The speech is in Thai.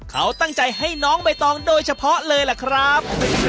เขาตั้งใจให้น้องใบตองโดยเฉพาะเลยล่ะครับ